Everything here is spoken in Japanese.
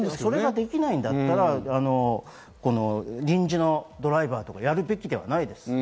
それができないんだったら臨時のドライバーがやるべきではないですよ。